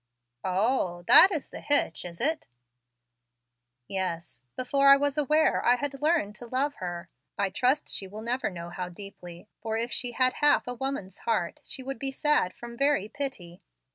"O h h, that is the hitch, is it?" "Yes. Before I was aware, I had learned to love her. I trust she will never know how deeply; for if she had half a woman's heart, she would be sad from very pity.